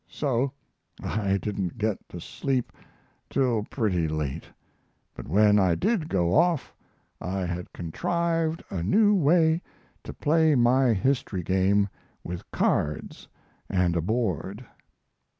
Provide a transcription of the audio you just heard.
So I didn't get to sleep till pretty late; but when I did go off I had contrived a new way to play my history game with cards and a board.